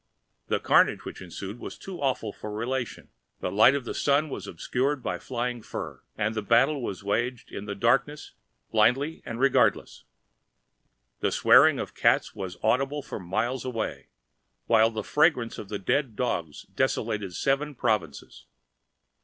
The carnage that ensued was too awful for relation! The light of the sun was obscured by flying fur, and the battle was waged in the darkness, blindly and regardless. The swearing of the cats was audible miles away, while the fragrance of the dead dogs desolated seven provinces.